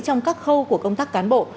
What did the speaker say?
trong các khâu của công tác cán bộ